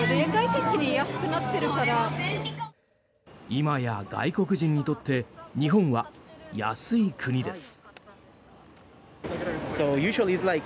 今や、外国人にとって日本は安い国です。